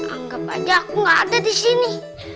anggap aja aku gak ada di sini